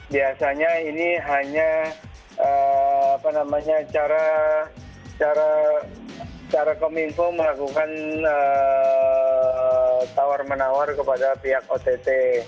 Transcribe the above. biasanya ini hanya cara kominfo melakukan tawar menawar kepada pihak ott